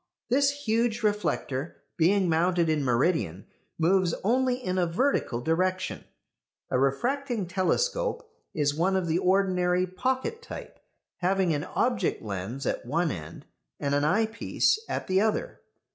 This huge reflector, being mounted in meridian, moves only in a vertical direction. A refracting telescope is one of the ordinary pocket type, having an object lens at one end and an eyepiece at the other.